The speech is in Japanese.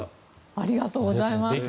ありがとうございます。